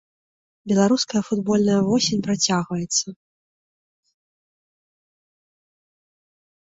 Беларуская футбольная восень працягваецца!